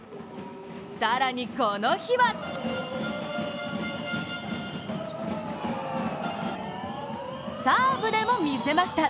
更にこの日はサーブでも見せました。